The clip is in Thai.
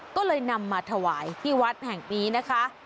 ก็เลยนำมาถวายที่วัดแห่งนี้นะคะ